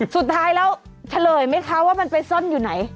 สุดท้ายแล้วเฉลยไหมคะว่ามันไปซ่อนอยู่ไหน